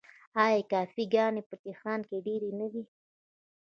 آیا کافې ګانې په تهران کې ډیرې نه دي؟